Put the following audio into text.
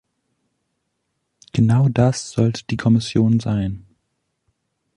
Genau das sollte die Kommission sein.